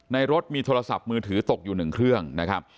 ในรถมีโทรศัพท์มือถือตกอยู่๑เครื่องนะครับ